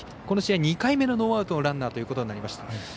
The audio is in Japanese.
この試合２回目のノーアウトのランナーということになりました。